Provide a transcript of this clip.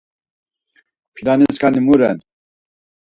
Pilaniskani mu ren?